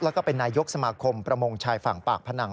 แล้วก็เป็นนายกสมาคมประมงชายฝั่งปากพนัง